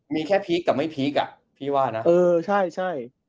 มีแค่พีคกับไม่พีคอ่ะพี่ว่านะ